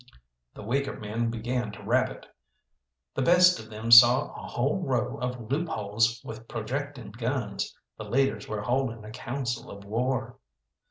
The weaker men began to rabbit, the best of them saw a whole row of loopholes with projecting guns, the leaders were holding a council of war.